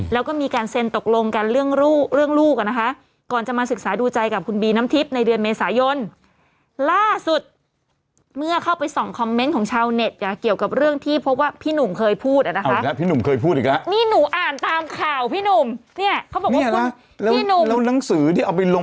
แล้วบอกว่าทำไมมาอยู่ที่เขาเพราะบ้านหลังนี้เป็นที่ของเขาเพราะว่าอย่างนั้น